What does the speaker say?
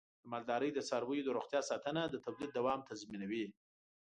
د مالدارۍ د څارویو د روغتیا ساتنه د تولید دوام تضمینوي.